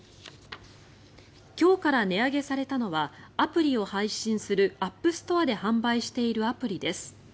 今日から値上げされたのはアプリを配信するアップストアで販売しているアプリです。